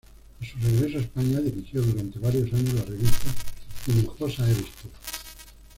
A su regreso a España, dirigió durante varios años la revista "Hinojosa eres tú".